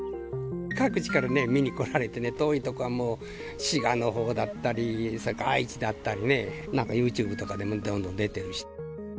各地からね、見に来られてね、遠い所は、もう滋賀のほうだったり、それから愛知だったりね、なんか、ユーチューブとかでも出てるし。